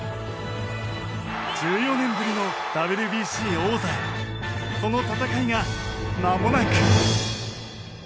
１４年ぶりのＷＢＣ王座へその戦いがまもなく！